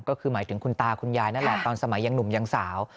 ก็คือหมายถึงคุณตาคุณยายนั่นแหละตอนสมัยยังหนุ่มยังสาว